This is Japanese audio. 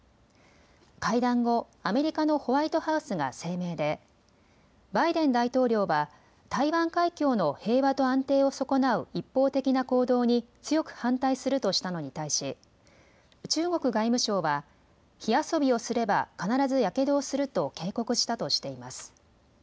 会談後、アメリカのホワイトハウスが声明でバイデン大統領は台湾海峡の平和と安定を損なう一方的な行動に強く反対するとしたのに対し中国外務省は火遊びをすれば必ずやけどをすると警告したとしています。